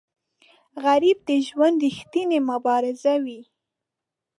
غریب د ژوند ریښتینی مبارز وي